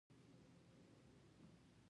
انار د ویټامین C غوره منبع ده.